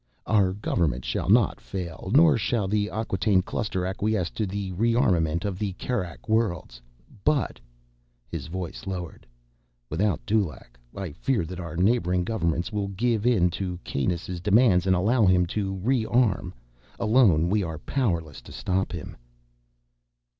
"Our Government shall not fall, nor shall the Acquataine Cluster acquiesce to the rearmament of the Kerak Worlds. But"—his voice lowered—"without Dulaq, I fear that our neighboring governments will give in to Kanus' demands and allow him to rearm. Alone, we are powerless to stop him."